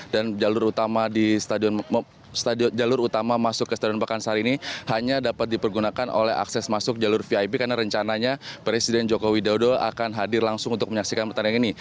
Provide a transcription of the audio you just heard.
dan jalur utama masuk ke stadion pakansari ini hanya dapat dipergunakan oleh akses masuk jalur vip karena rencananya presiden jokowi daudo akan hadir langsung untuk menyaksikan pertandingan ini